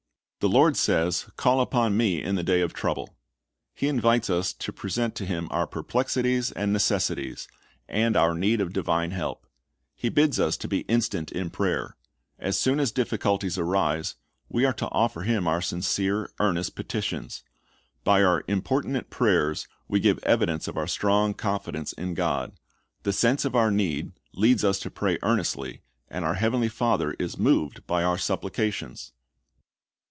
The Lord says, "Call upon Me in the day of trouble."^ He invites us to present to Him our perplexities and neces sities, and our need of divine help. He bids us be instant in prayer. As soon as difficulties arise, we are to offer to Him our sincere, earnest petitions. By our importunate prayers we give evidence of our strong confidence in God. The sense of our need leads us to pray earnestly, and our Heavenly Father is moved by our supplications.